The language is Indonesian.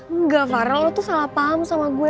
enggak farel lu tuh salah paham sama gue